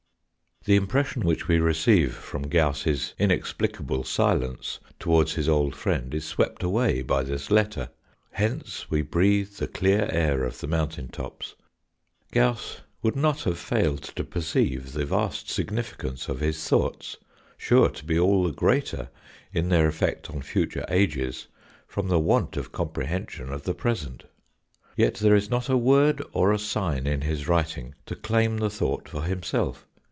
The impression which we receive from Gauss's in explicable silence towards his old friend is swept away by this letter. Hence we breathe the clear air of the mountain tops. Gauss would not have failed to perceive the vast significance of his thoughts, sure to be all the greater in their effect on future ages from the want of comprehension of the present. Yet there is not a word or a sign in his writing to claim the thought for himself.